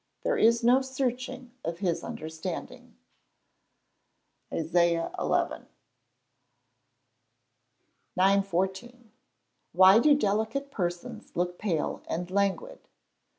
there is no searching of his understanding" ISAIAH XL.] 914. _Why do delicate persons look pale and languid?